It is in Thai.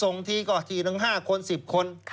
เส้นซูกุมวิธเยอะเลย